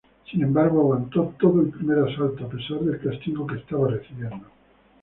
Sin embargo, aguantó todo el primer asalto a pesar del castigo que estaba recibiendo.